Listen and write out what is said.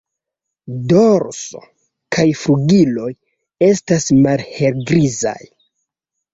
Dorso kaj flugiloj estas malhelgrizaj.